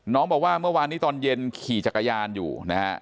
บอกว่าเมื่อวานนี้ตอนเย็นขี่จักรยานอยู่นะฮะ